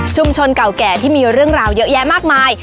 เก่าแก่ที่มีเรื่องราวเยอะแยะมากมาย